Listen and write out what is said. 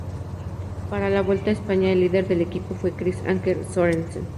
Para la Vuelta a España el líder del equipo fue Chris Anker Sørensen.